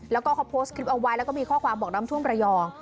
แล้วก็เขาโพสต์คลิปเอาไว้แล้วก็มีข้อความบอกน้ำท่วมระยอง